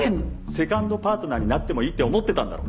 セカンドパートナーになってもいいって思ってたんだろ。